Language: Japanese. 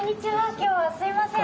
今日はすいません。